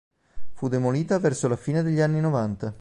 Fu demolita verso la fine degli anni novanta.